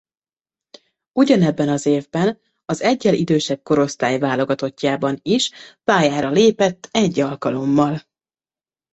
Ugyanebben az évben az eggyel idősebb korosztály válogatottjában is pályára lépett egy alkalommal.